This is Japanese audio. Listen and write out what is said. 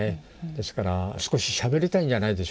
ですから少ししゃべりたいんじゃないでしょうか。